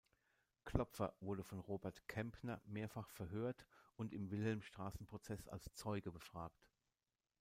Klopfer wurde von Robert Kempner mehrfach verhört und im Wilhelmstraßen-Prozess als Zeuge befragt.